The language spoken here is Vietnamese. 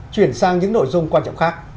chuyển sang những nội dung quan trọng khác